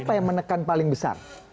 apa yang menekan paling besar